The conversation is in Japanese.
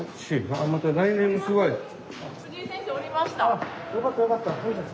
あっよかったよかった。